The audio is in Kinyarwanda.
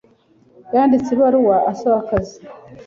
yanditse ibaruwa asaba akazi